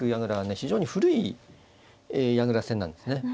非常に古い矢倉戦なんですね。